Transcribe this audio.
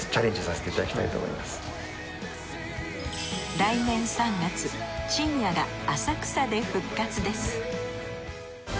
来年３月ちんやが浅草で復活です